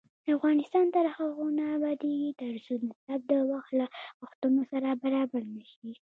افغانستان تر هغو نه ابادیږي، ترڅو نصاب د وخت له غوښتنو سره برابر نشي.